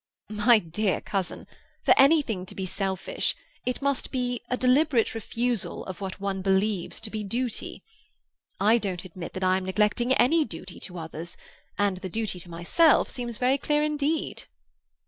"My dear cousin, for anything to be selfish, it must be a deliberate refusal of what one believes to be duty. I don't admit that I am neglecting any duty to others, and the duty to myself seems very clear indeed."